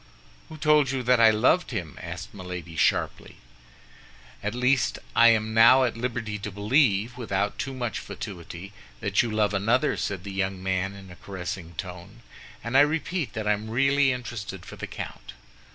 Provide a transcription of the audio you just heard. "Who told you that I loved him?" asked Milady, sharply. "At least, I am now at liberty to believe, without too much fatuity, that you love another," said the young man, in a caressing tone, "and I repeat that I am really interested for the count."